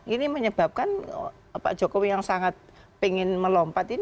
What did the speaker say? ini menyebabkan pak jokowi yang sangat ingin melompat ini